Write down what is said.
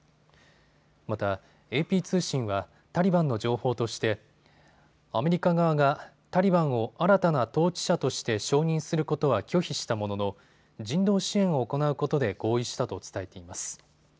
また、ＡＰ通信はタリバンの情報としてアメリカ側がタリバンを新たな統治者として承認することは拒否したものの、人道支援を行うことで合意したと伝えています。